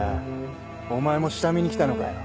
お前も下見に来たのかよ。